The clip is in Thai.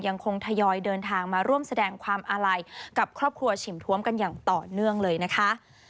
ยังคงทยอยเดินทางมาร่วมแสดงความอาลัยกับครอบครัวฉิมทวมกันอย่างต่อเนื่องเลยนะคะ